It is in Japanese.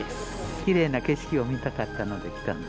きれいな景色を見たかったので来たんです。